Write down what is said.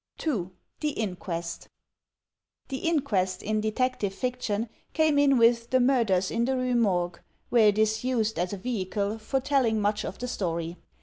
2. The Inquest The inquest, in detective fiction, came in with "The Murders in the Rue Morgue,'' where it is used as a vehicle for telling much of the story.